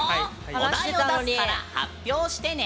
お題を出すから発表してね。